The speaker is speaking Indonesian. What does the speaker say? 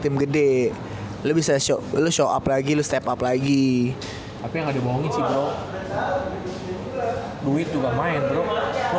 tim gede lebih sesuai show up lagi step up lagi tapi nggak dibohongi sih bro duit juga main bro